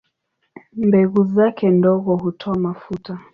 Mbegu zake ndogo hutoa mafuta.